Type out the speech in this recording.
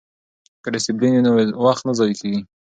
که ډسپلین وي نو وخت نه ضایع کیږي.